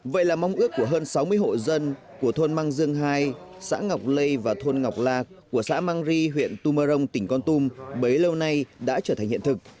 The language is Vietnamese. vậy là mong ước của hơn sáu mươi hộ dân của thôn măng dương hai xã ngọc lây và thôn ngọc lạc của xã măng ri huyện tumurong tỉnh con tum bấy lâu nay đã trở thành hiện thực